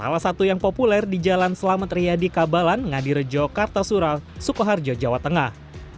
salah satu yang populer di jalan selamat riyadi kabalan ngadirejo kartasural sukoharjo jawa tengah